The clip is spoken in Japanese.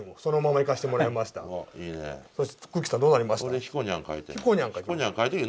俺ひこにゃん描いたよ。